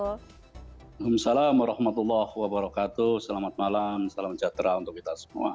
waalaikumsalam warahmatullahi wabarakatuh selamat malam salam sejahtera untuk kita semua